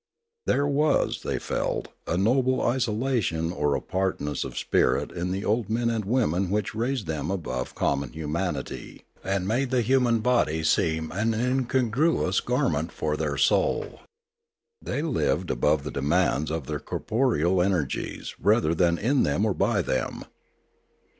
There was, they felt, a noble isolation or apartness of spirit in their old men and women which raised them above common humanity, and made the human body seem an incongruous garment for their soul. They lived above the demands of their corporeal energies rather than in them or by them.